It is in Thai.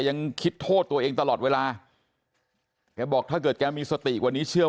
ยังคิดโทษตัวเองตลอดเวลาแกบอกถ้าเกิดแกมีสติกว่านี้เชื่อ